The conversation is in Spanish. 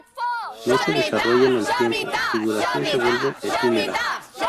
No se desarrolla en el tiempo, su duración se vuelve efímera.